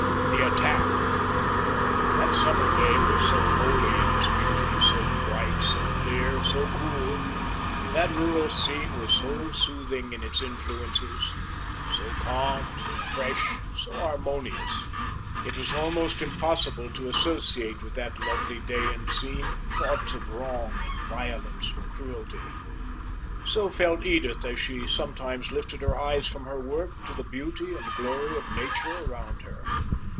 THE ATTACK. That summer day was so holy in its beauty, so bright, so clear, so cool; that rural scene was so soothing in its influences, so calm, so fresh, so harmonious; it was almost impossible to associate with that lovely day and scene thoughts of wrong and violence and cruelty. So felt Edith as she sometimes lifted her eyes from her work to the beauty and glory of nature around her.